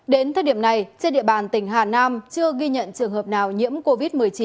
đến thời điểm này trên địa bàn tỉnh hà nam chưa ghi nhận trường hợp nào nhiễm covid một mươi chín